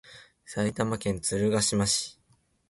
埼玉県鶴ヶ島市